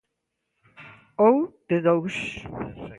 Ou de dous.